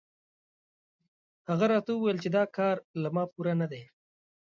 هغه راته وویل چې دا کار له ما پوره نه دی.